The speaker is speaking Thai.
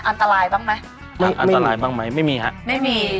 อันตรายบ้างมั้ยอันตรายบ้างมั้ยไม่มีฮะไม่มี